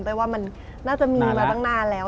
ว่ามันน่าจะมีมาตั้งนานแล้ว